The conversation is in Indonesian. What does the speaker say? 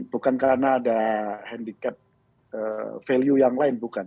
bukan karena ada handicap value yang lain bukan